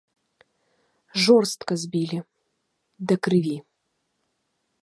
Жорстка збілі, да крыві.